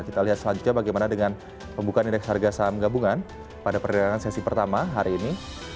kita lihat selanjutnya bagaimana dengan pembukaan indeks harga saham gabungan pada perdagangan sesi pertama hari ini